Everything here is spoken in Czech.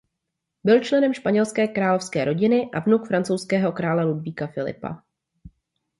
Byl členem španělské královské rodiny a vnuk francouzského krále Ludvíka Filipa.